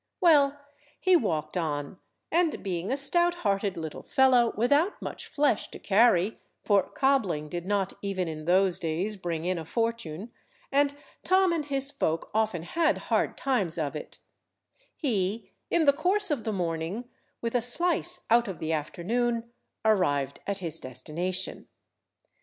Well, he walked on, and being a stout–hearted little fellow without much flesh to carry, for cobbling did not even in those days bring in a fortune, and Tom and his folk often had hard times of it; he, in the course of the morning, with a slice out of the afternoon, arrived at his destination.